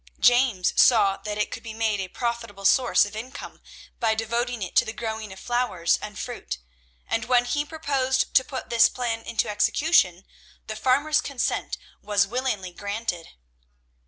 James saw that it could be made a profitable source of income by devoting it to the growing of flowers and fruit, and when he proposed to put this plan into execution the farmer's consent was willingly granted.